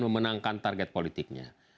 memenangkan target politiknya